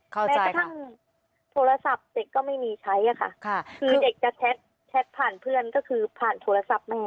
แม้กระทั่งโทรศัพท์เด็กก็ไม่มีใช้ค่ะคือเด็กจะแท็กผ่านเพื่อนก็คือผ่านโทรศัพท์แม่